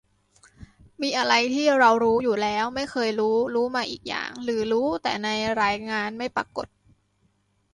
มีอะไรที่เรารู้อยู่แล้ว ไม่เคยรู้ รู้มาอีกอย่าง หรือรู้แต่ในรายงานไม่ปรากฏ